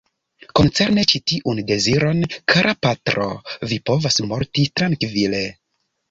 Koncerne ĉi tiun deziron, kara patro, vi povas morti trankvile.